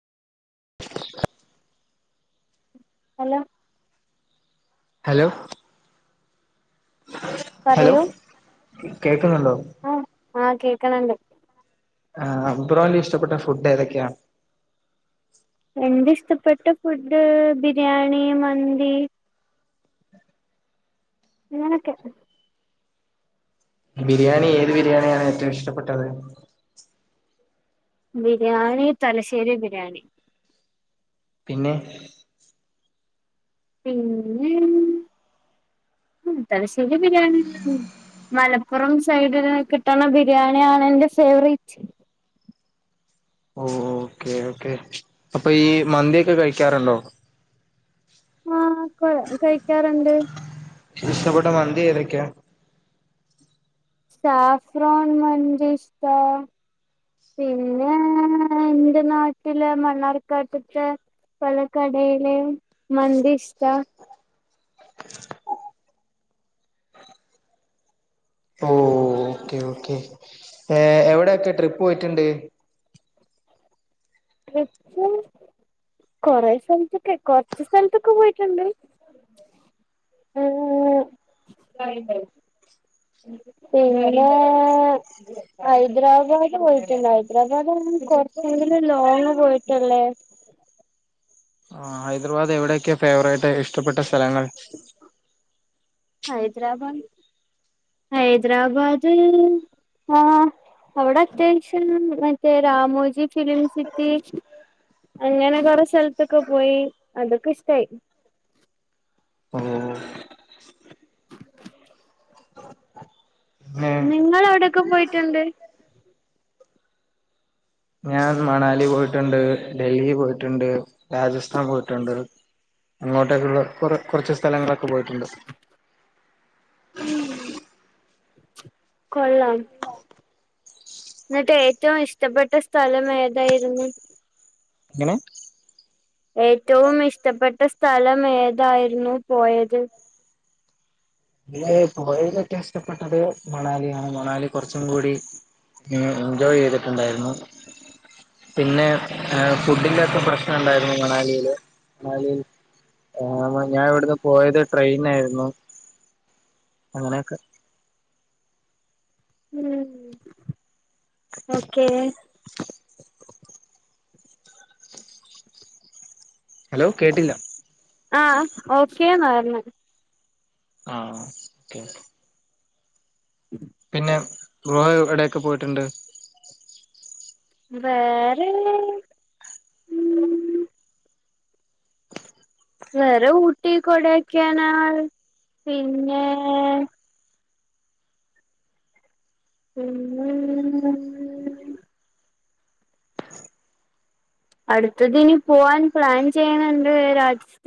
Hello hello hello പറയൂ കേക്കുന്നുണ്ടോ ആഹ് ആഹ് കേക്ക്‌ണ് ണ്ട് ആഹ് അബ്രോലി ഇഷ്ടപ്പെട്ട ഫുഡ് ഏതൊക്കെയാണ് എന്റെ ഇഷ്ടപ്പെട്ട ഫുഡ് ബിരിയാണി മന്തി അങ്ങനൊക്കെ ബിരിയാണി ഏത് ബിരിയാണിയാണ് ഏറ്റവും ഇഷ്ടപ്പെട്ടത്? ബിരിയാണി തലശ്ശേരി ബിരിയാണി പിന്നെ പിന്നെ തലശ്ശെരി ബിരിയാണി ന്നെ മലപ്പുറം സൈഡിൽ കിട്ടണ ബിരിയാണിയാണ് എന്റെ ഫേവറേറ്റ് ഓ ഓക്കേ ഓക്കേ അപ്പൊ ഈ മന്തിയോക്കെ കഴിക്കാറുണ്ടോ ആഹ് കഴിക്കാറുണ്ട് ഇഷ്ടപ്പെട്ട മന്തി ഏതൊക്കെയാ? സാഫറോൺ മന്തി ഇഷ്ട പിന്നെ എന്റെ നാട്ടില് മണ്ണാർക്കാട്ട്ത്തെ പല കടയിലെ മന്തി ഇഷ്ട ഓ ഓക്കേ ഓക്കേ എവിടെക്കെ ട്രിപ്പ് പോയിട്ടുണ്ട് ട്രിപ്പ് കൊറ സ്ഥലത്തൊക്കെ കൊറച്ച് സ്ഥലത്തൊക്കെ പോയിട്ടുണ്ട് ഉം പിന്നെ ഹൈദരാബാദ് പോയിട്ടുണ്ട് ഹൈദരാബാദ് കൊറച്ചെങ്കിലും ലോങ് പോയിട്ടുള്ളേ ആഹ് ഹൈദരാബാദ് എവിടെയൊക്കെയാണ് ഫേവറേറ്റ് ഇഷ്ടപ്പെട്ട സ്ഥലങ്ങൾ. ഹൈദരാബാദ് ഹൈദരാബാദ് ആഹ് അവിടെ അത്യാൻഷൻ മറ്റേ രാമോജി ഫിലിംസിന്റെ - അങ്ങനെ കൊറെ സ്ഥലത്തൊക്കെ പോയി അതൊക്കെ ഇഷ്ടായി ഏഹ് പിന്നെ നിങ്ങൾ എവിടെയൊക്കെ പോയിട്ടുണ്ട് ഞാൻ മണാലി പോയിട്ടുണ്ട് ഡൽഹി പോയിട്ടുണ്ട് രാജസ്ഥാൻ പോയിട്ടുണ്ട് അങ്ങോട്ടൊക്കെയ ഉള്ള കു കുറച്ച് സ്ഥലങ്ങളൊക്കെ പോയിട്ടുണ്ട് ഉം കൊള്ളാം എന്നിട്ട് ഏറ്റവും ഇഷ്ടപ്പെട്ട സ്ഥലം ഏതായിരുന്നു എങ്ങനെ ഏറ്റവും ഇഷ്ടപ്പെട്ട സ്ഥലം ഏതായിരുന്നു പോയത്? അയ്ൽ പോയലൊക്കെ ഇഷ്ടപ്പെട്ടത് മണാലിയാണ് മണാലി കുറച്ചും കൂടി എൻജോയ് ചെയ്തിട്ടുണ്ടായിരുന്നു പിന്നെ ഫുഡിന്റെ ഒക്കെ പ്രശ്നണ്ടായിരുന്നു മണാലിയില് മണാലിയിൽ ആഹ് ഞാൻ ഇവിടുന്ന് പോയത് ട്രെയിൻ ആയിരുന്നു അങ്ങനെയൊക്കെ ഉം ഓക്കെ [inaudible] ഹലോ കേട്ടില്ല ആ ഓക്കേന്നരർഞ്ഞ് ആ ഓക്കെ മ്മ് ഹ് പിന്നെ വേറെ എവിടെക്കെ പോയിട്ടുണ്ട്? വേറേ വേറെ ഊട്ടി കൊടൈക്കനാൽ പിന്നെ ഉം മ്മ് അടുത്തതിനി പോവാൻ പ്ലാൻ ചെയ്യണുണ്ട് രാജസ്ഥ